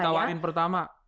nah begitu ditawarin pertama